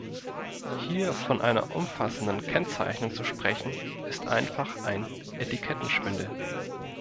Hier von einer umfassenden Kennzeichnung zu sprechen, ist einfach ein Etikettenschwindel.